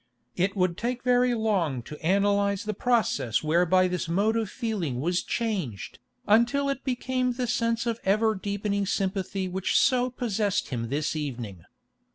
It would take very long to analyse the process whereby this mode of feeling was changed, until it became the sense of ever deepening sympathy which so possessed him this evening.